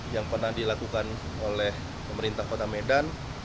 yang pernah dilakukan oleh pemerintah kota medan